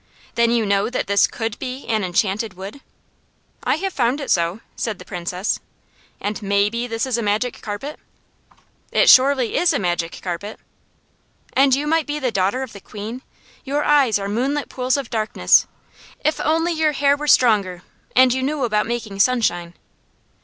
"Then you know that this COULD be an Enchanted Wood?" "I have found it so," said the Princess. "And MAYBE this is a Magic Carpet?" "It surely is a Magic Carpet." "And you might be the daughter of the Queen? Your eyes are 'moonlit pools of darkness.' If only your hair were stronger, and you knew about making sunshine!"